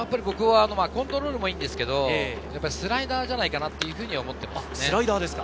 コントロールもいいんですけれど、スライダーじゃないかなというふうに思っています。